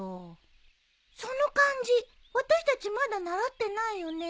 その漢字私たちまだ習ってないよね。